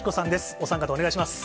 お三方、お願いします。